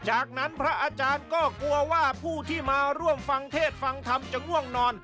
จากนั้นพระอาจารย์ก็กลัวว่าผู้ที่มาร่วมฟังเทศฟังธรรมจะง่วงนอน